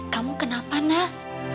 kamu kenapa nak